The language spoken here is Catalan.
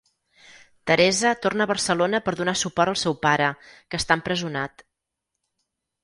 Teresa torna a Barcelona per donar suport al seu pare, que està empresonat.